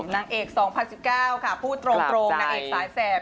นางเอก๒๐๑๙ค่ะพูดตรงนางเอกสายแสบ